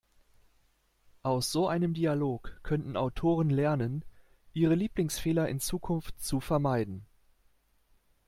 Aus so einem Dialog könnten Autoren lernen, ihre Lieblingsfehler in Zukunft zu vermeiden.